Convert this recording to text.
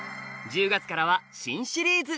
１０月からは新シリーズ！